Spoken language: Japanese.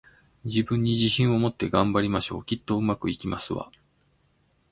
自分に自信を持って、頑張りましょう！きっと、上手くいきますわ